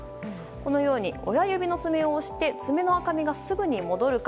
このように親指の爪を押して爪の赤みがすぐに戻るか。